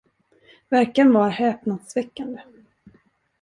Verkan var häpnadsväckande.